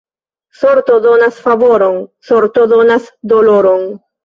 Sorto donas favoron, sorto donas doloron.